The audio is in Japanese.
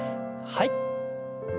はい。